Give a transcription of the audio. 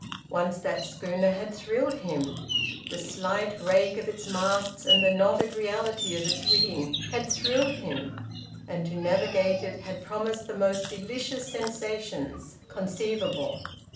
Once that schooner had thrilled him; the slight rake of its masts and the knotted reality of its rigging had thrilled him; and to navigate it had promised the most delicious sensations conceivable.